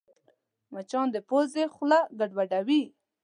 مچان د پوزې خوله ګډوډوي